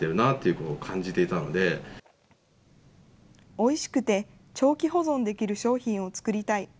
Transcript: おいしくて長期保存できる商品を作りたい。